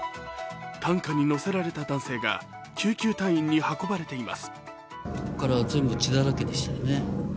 担架に乗せられた男性が救急隊員に運ばれています。